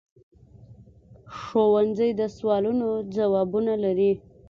ښوونځی د سوالونو ځوابونه لري